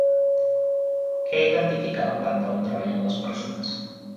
Què identifica la planta on treballen les persones?